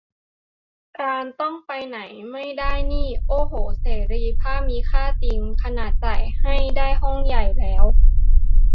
การต้องไปไหนไม่ได้นี่ โอ้โห เสรีภาพมีค่าจริง ขนาดจ่ายให้ได้ห้องใหญ่แล้ว